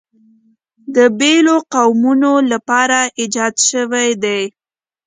د بېلو قومونو لپاره ایجاد شوي دي.